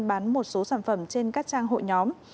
bán một số sản phẩm trên các trang hội nhóm